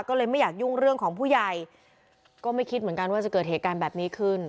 ก็เลยไม่อยากยุ่งเรื่องของผู้ใหญ่ก็ไม่คิดเหมือนกันว่าจะเกิดเหตุการณ์แบบนี้ขึ้น